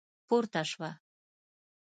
پورته شوه.